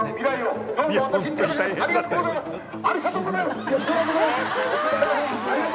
ありがとうございます！